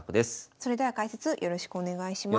それでは解説よろしくお願いします。